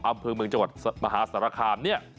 อำเภอเมืองจังหวัดมหาสารคามเนี่ย